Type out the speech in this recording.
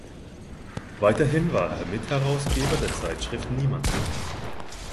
Weiterhin war er Mitherausgeber der Zeitschrift Niemandsland.